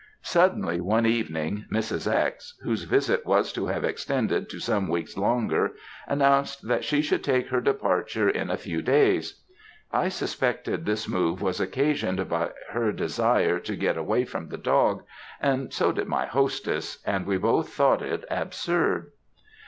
"Suddenly, one evening, Mrs. X. whose visit was to have extended to some weeks longer, announced that she should take her departure in a few days. I suspected this move was occasioned by her desire to get away from the dog, and so did my hostess and we both thought it absurd.